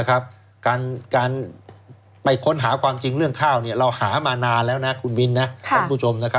การไปค้นหาความจริงเรื่องข้าวเราหามานานแล้วนะคุณมิ้นคุณผู้ชม